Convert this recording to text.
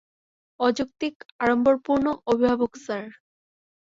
অযৌক্তিক, আড়ম্বরপূর্ণ, অভিভাবক স্যার।